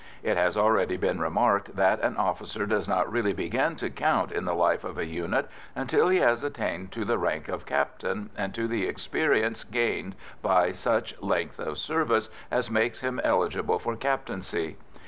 It has already been remarked that an officer does not really begin to count in the life of a unit until he has attained to the rank of captain and to the experience gained by such length of service as makes him eligible for captaincy.